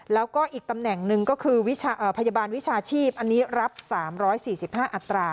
แล้วก็อีกตำแหน่งหนึ่งก็คือพยาบาลวิชาชีพอันนี้รับ๓๔๕อัตรา